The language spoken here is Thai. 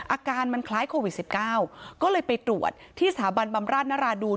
อาการมันคล้ายโควิด๑๙ก็เลยไปตรวจที่สถาบันบำราชนราดูน